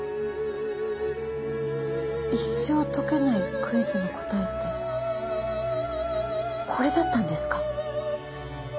一生解けないクイズの答えってこれだったんですか？